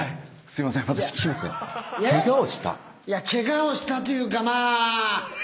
ケガをしたというかまあ。